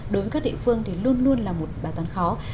đối với các địa phương thì luôn luôn là một bài toán khó